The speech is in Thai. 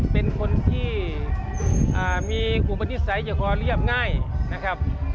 เป็นคนที่มีอุปนิสัยจะคอเรียบง่ายนะครับ